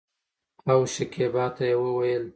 او شکيبا ته يې وويل